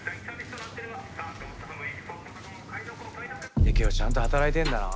ユキオちゃんと働いてんだな。